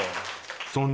そんな。